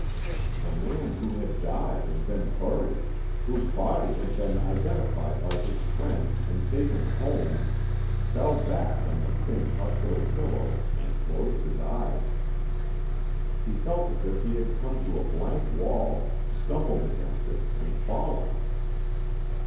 The man who had died and been buried, whose body had been identified by his friend and taken home, fell back on the thin hospital pillow, and closed his eyes. He felt as if he had come to a blank wall, stumbled against it, and fallen.